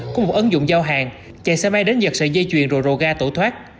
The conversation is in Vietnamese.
của một ấn dụng giao hàng chạy xe máy đến giật sợi dây chuyền rồi rồ ga tổ thoát